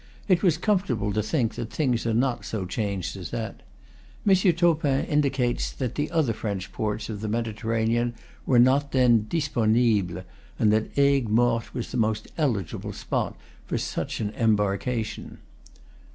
It was comfortable to think that things are not so changed as that. M. Topin indicates that the other French ports of the Mediterranean were not then dis ponsibles, and that Aigues Mortes was the most eligible spot for an embarkation.